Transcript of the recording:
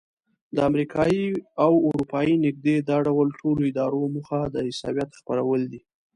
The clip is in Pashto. د امریکایي او اروپایي نږدې دا ډول ټولو ادارو موخه د عیسویت خپرول دي.